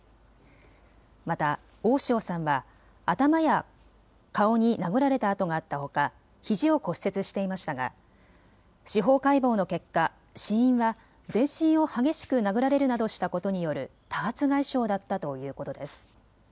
また大塩さんは頭や顔に殴られた痕があったほかひじを骨折していましたが司法解剖の結果、死因は全身を激しく殴られるなどしたことによる多発外傷だったということです。